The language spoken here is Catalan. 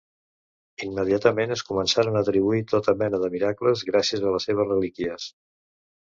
Immediatament es començaren a atribuir tota mena de miracles gràcies a les seves relíquies.